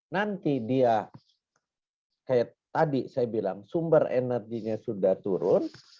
nanti dia kayak tadi saya bilang sumber energinya sudah turun